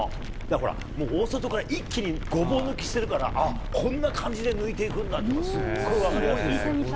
ほら、大外から一気にごぼう抜きしてるから、ああ、こんな感じで抜いていくんだとか、すっごい分かりやすいよね。